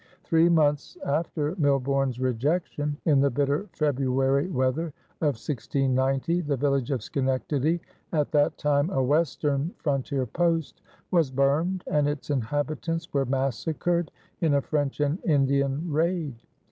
Three months after Milborne's rejection, in the bitter February weather of 1690, the village of Schenectady, at that time a western frontier post, was burned and its inhabitants were massacred in a French and Indian raid.